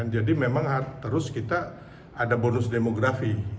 jadi memang terus kita ada bonus demografi